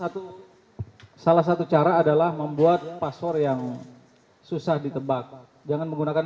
salah satu salah satu cara adalah membuat pastor yang susah ditebak jangan menggunakan